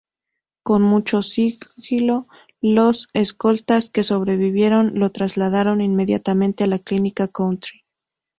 Con mucho sigilo, los escoltas que sobrevivieron, lo trasladaron inmediatamente a la Clínica Country.